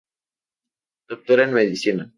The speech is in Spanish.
Doctor en medicina.